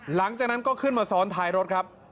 หลังจากนั้นก็ขึ้นมาซ้อนท้ายรถครับ